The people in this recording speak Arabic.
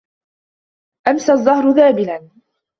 أَمْسَى الزَّهْرُ ذابِلًا.